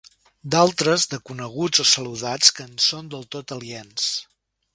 D'altres, de coneguts o saludats que en són del tot aliens.